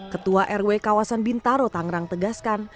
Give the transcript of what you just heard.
ketua rw kawasan bintaro tangerang tegaskan